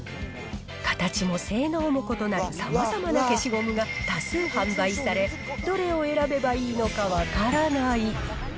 形も性能も異なるさまざまな消しゴムが多数販売され、どれを選べばいいのか分からない。